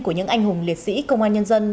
của những anh hùng liệt sĩ công an nhân dân